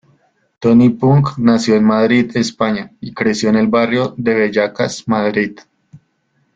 Tony Punk nació en Madrid, España, y creció en el barrio de Vallecas, Madrid.